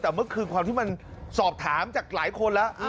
แต่เมื่อคืนความที่มันสอบถามจากหลายคนแล้ว